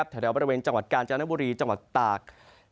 แถวบริเวณจังหวัดกาญจนบุรีจังหวัดตาก